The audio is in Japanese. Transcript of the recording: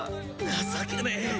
情けねえ。